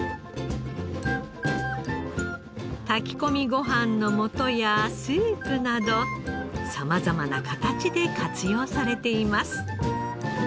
炊き込みご飯の素やスープなど様々な形で活用されています。